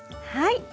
はい。